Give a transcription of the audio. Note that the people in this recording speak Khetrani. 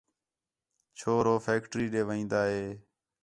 چُھور ہو فیکٹری ݙے وین٘دا ہِے